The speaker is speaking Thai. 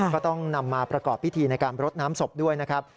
ก็ต้องนำมาประกอบพิธีในการรดน้ำศพด้วยนะครับ